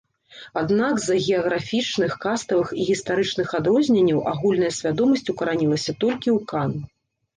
Аднак з-за геаграфічных, каставых і гістарычных адрозненняў агульная свядомасць укаранілася толькі ў кан.